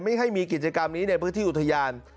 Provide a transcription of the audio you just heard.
ให้มีกิจกรรมนี้ในพื้นที่อุทยาน